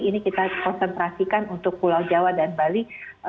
ini kita konsentrasikan untuk pulau jawa dan bali